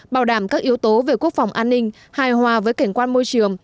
bảo đảm các yếu tố về quốc phòng an ninh hài hòa với cảnh quan môi trường